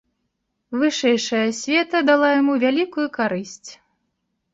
Вышэйшая асвета дала яму вялікую карысць.